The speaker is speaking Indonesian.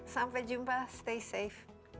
sampai jumpa stay safe